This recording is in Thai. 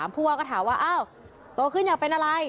ภูวะก็ถามว่าโตขึ้นอยากเป็นอะไร